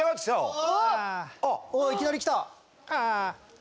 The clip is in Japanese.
おおいきなりきた。